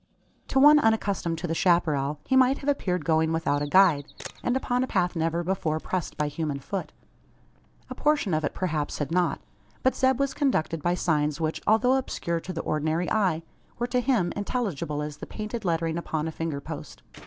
To one unaccustomed to the chapparal, he might have appeared going without a guide, and upon a path never before pressed by human foot. A portion of it perhaps had not. But Zeb was conducted by signs which, although obscure to the ordinary eye, were to him intelligible as the painted lettering upon a finger post.